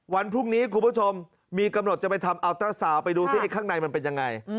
วันพรุ่งนี้คุณผู้ชมมีกำหนดจะไปทำอัลตราสาวไปดูสิข้างในมันเป็นยังไง